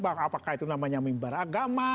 apakah itu namanya mimbar agama